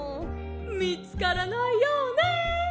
「みつからないようね」。